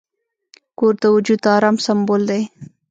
کور د وجود د آرام سمبول دی.